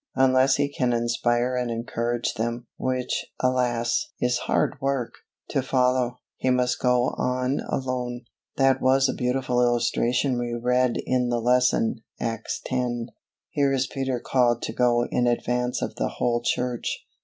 Unless he can inspire and encourage them (which, alas! is hard work) to follow, he must go on alone. That was a beautiful illustration we read in the lesson (Acts x.). Here is Peter called to go in advance of the whole Church!